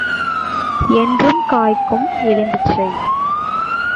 என்றும் காய்க்கும் எலுமிச்சை.